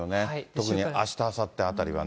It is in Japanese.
特にあしたあさってあたりはね。